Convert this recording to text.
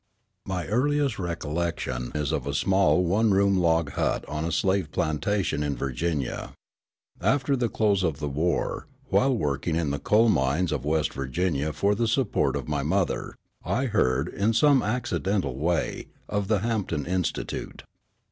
My earliest recollection is of a small one room log hut on a slave plantation in Virginia. After the close of the war, while working in the coal mines of West Virginia for the support of my mother, I heard, in some accidental way, of the Hampton Institute.